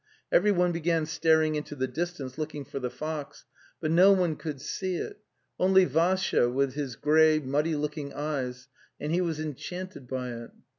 Everyone began staring into the distance, looking for the fox, but no one could see it, only Vassya with his grey muddy looking eyes, and he was enchanted by it.